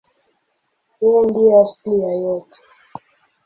Yeye ndiye asili ya yote.